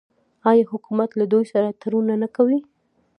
آیا حکومت له دوی سره تړونونه نه کوي؟